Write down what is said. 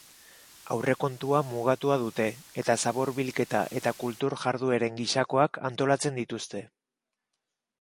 Aurrekontua mugatua dute eta zabor bilketa eta kultur jardueren gisakoak antolatzen dituzte.